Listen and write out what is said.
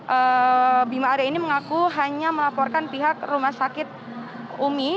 dia menyebutkan bahwa bima arya ini mengaku hanya melaporkan pihak rumah sakit umi